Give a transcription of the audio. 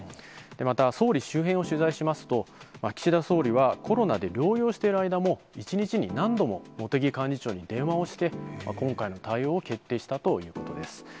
また、総理周辺を取材しますと、岸田総理はコロナで療養している間も、１日に何度も、茂木幹事長に電話をして、今回の対応を決定したということです。